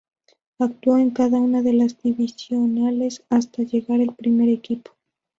Actuó en cada una de las divisionales hasta llegar al primer equipo.